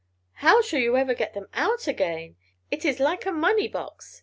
"How shall you ever get them out again? It is like a money box!"